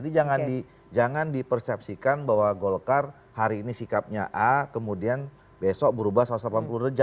jadi jangan dipersepsikan bahwa golkar hari ini sikapnya a kemudian besok berubah satu ratus delapan puluh reja